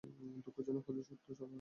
দুঃখজনক হলেও সত্য, ধারণাটি ভুল।